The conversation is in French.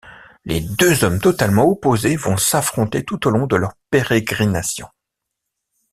Les deux hommes totalement opposés vont s'affronter tout au long de leur pérégrination.